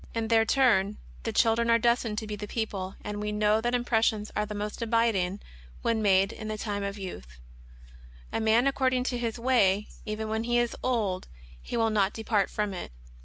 In their turn the children are destined to be the people ; and we know that impressions are the more abiding when made in the time of youth : "A young man according to his way, even when he is old he will not depart from it."